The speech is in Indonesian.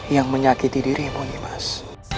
yang menyakiti dirimu nimas